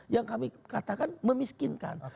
yang kami katakan memiskinkan